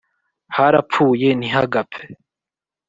Harapfuye ntihagapfe